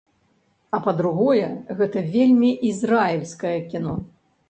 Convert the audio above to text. А, па-другое, гэта вельмі ізраільскае кіно.